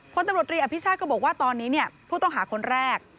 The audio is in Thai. พลตำรวจรีอภิชาติก็บอกว่าตอนนี้ผู้ต้องหาคนแรก